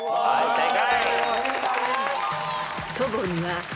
正解。